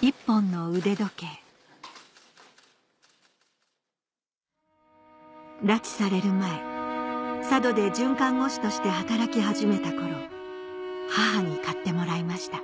一本の腕時計拉致される前佐渡で准看護師として働き始めた頃母に買ってもらいました